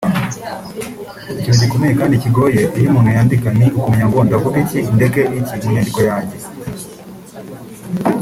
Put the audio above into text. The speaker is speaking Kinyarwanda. Ikintu gikomeye kandi kigoye iyo umuntu yandika ni ukumenya ngo ’ndavuga iki ndeke iki’ mu nyandiko yanjye